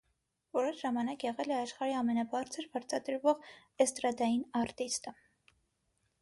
Որոշ ժամանակ եղել է աշխարհի ամենաբարձր վարձատրվող էստրադային արտիստը։